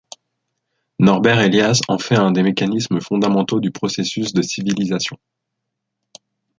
Norbert Elias en fait un des mécanismes fondamentaux du processus de civilisation.